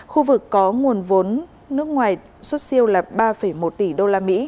khu vực có nguồn vốn nước ngoài xuất siêu là ba một tỷ usd